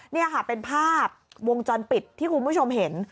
นี่ค่ะเป็นภาพวงจรปิดที่คุณผู้ชมเห็น